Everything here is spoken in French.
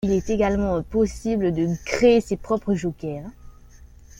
Il est également possible de créer ses propres jokers.